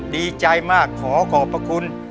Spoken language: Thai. ดีใจมากขอขอบพระคุณ